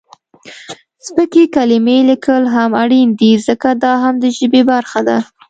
سپکې کلمې لیکل هم اړین دي ځکه، دا هم د ژبې برخه ده.